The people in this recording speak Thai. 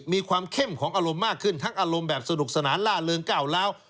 มีความเข้มของอารมณ์มากขึ้นทั้งอารมณ์แบบสนุกสนานล่าเริงก้าวล้าว